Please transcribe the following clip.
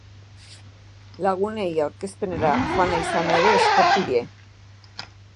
Lagunei aurkezpenera joan izana ere eskertu die.